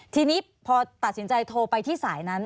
ทีนี้พอตัดสินใจโทรไปที่สายนั้น